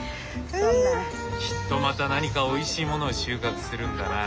きっとまた何かおいしいものを収穫するんだな。